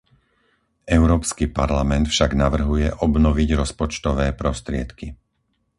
Európsky parlament však navrhuje obnoviť rozpočtové prostriedky.